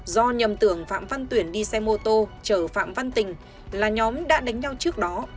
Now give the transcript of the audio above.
do nhầm tưởng phạm văn tuyển đi xe mô tô chở phạm văn tình là nhóm đã đánh nhau trước đó